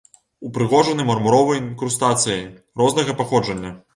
Упрыгожаны мармуровай інкрустацыяй рознага паходжання.